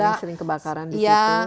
yang sering kebakaran di situ